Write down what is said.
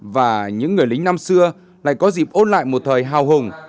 và những người lính năm xưa lại có dịp ôn lại một thời hào hùng